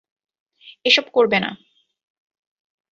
এসব করবে না।